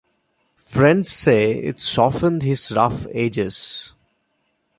Friends say it softened his rough edges.